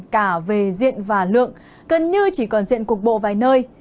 cả về diện và lượng gần như chỉ còn diện cục bộ vài nơi